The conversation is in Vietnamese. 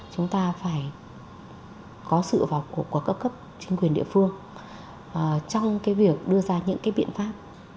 chúng ta phải có sự vào cuộc của các cấp chính quyền địa phương trong cái việc đưa ra những cái biện pháp